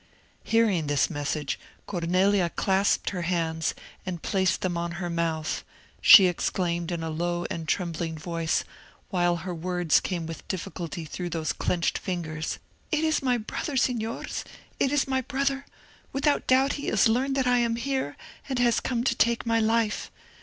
Hearing this message, Cornelia clasped her hands, and placing them on her mouth, she exclaimed, in a low and trembling voice, while her words came with difficulty through those clenched fingers, "It is my brother, Signors! it is my brother! Without doubt he has learned that I am here, and has come to take my life.